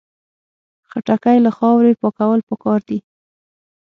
خټکی له خاورې پاکول پکار دي.